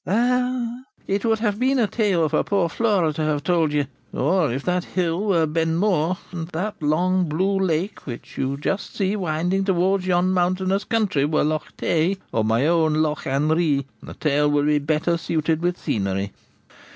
'Ah! it would have been a tale for poor Flora to have told you. Or, if that hill were Benmore, and that long blue lake, which you see just winding towards yon mountainous country, were Loch Tay, or my own Loch an Ri, the tale would be better suited with scenery.